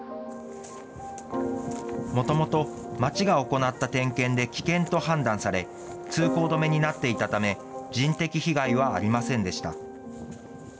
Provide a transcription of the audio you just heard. もともと町が行った点検で危険と判断され、通行止めになっていたため、人的被害はありませんでした。